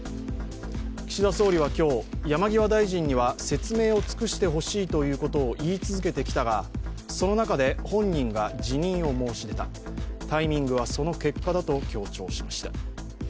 岸田総理は今日、山際大臣には説明を尽くしてほしいということを言い続けてきたが、その中で本人が辞任を申し出た、タイミングはその結果だと強調しました。